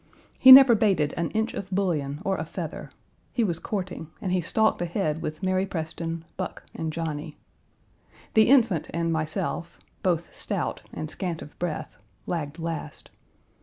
He never bated an inch of bullion or a feather; he was courting and he stalked ahead with Mary Preston, Buck, and Johnny. The Infant and myself, both stout and scant of breath, lagged last.